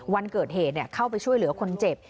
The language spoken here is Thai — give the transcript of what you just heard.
วันเกิดเหตุเข้าไปช่วยเหลือคนเจ็บ